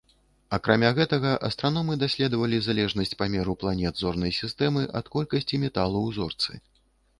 Акрамя гэтага, астраномы даследавалі залежнасць памеру планет зорнай сістэмы ад колькасці металу ў зорцы.